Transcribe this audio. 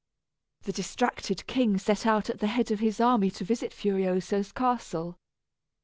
The distracted king set out at the head of his army to visit Furioso's castle.